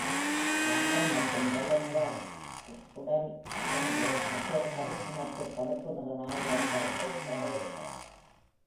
சாம்பல் மற்றும் வெள்ளை நிற puddle ஒன்று, மற்றொரு கருப்பு மற்றும் பழுப்பு நிற நாயுடன் படுக்கையில் சண்டையிடுகிறது.